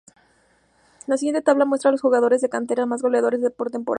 La siguiente tabla muestra los jugadores de cantera más goleadores por temporada.